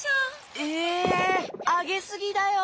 えあげすぎだよ！